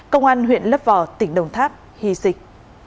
công an huyện lấp vò tỉnh đồng tháp hy sinh